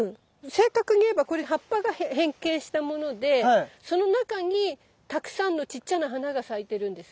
正確に言えばこれ葉っぱが変形したものでその中にたくさんのちっちゃな花が咲いてるんです。